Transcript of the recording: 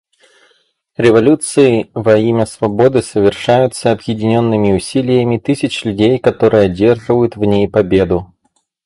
Революции во имя свободы совершаются объединенными усилиями тысяч людей, которые одерживают в ней победу.